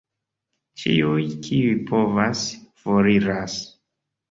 Ĉiuj, kiuj povas, foriras.